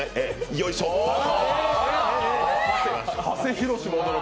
よいしょっ。